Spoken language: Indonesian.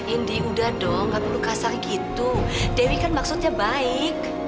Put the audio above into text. ini udah dong gak perlu kasar gitu dewi kan maksudnya baik